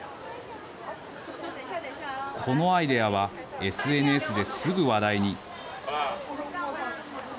このアイデアはＳＮＳですぐ話題に。